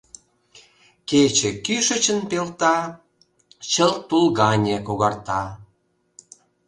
Кече кӱшычын пелта, чылт тул гане когарта.